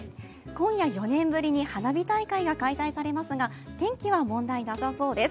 今夜、４年ぶりに花火大会が開催されますが天気は問題なさそうです。